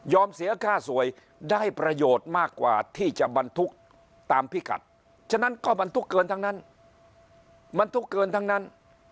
ยอมเสียค่าสวยได้ประโยชน์มากกว่าที่จะมันทุกข์ตามพิกัดฉะนั้นก็มันทุกข์เกินทั้งนั้น